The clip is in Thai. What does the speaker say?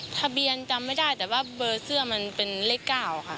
จำไม่ได้แต่ว่าเบอร์เสื้อมันเป็นเลข๙ค่ะ